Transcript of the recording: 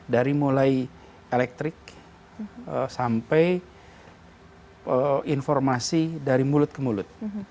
dari mulai elektrik sampai informasi dari mulut ke mulut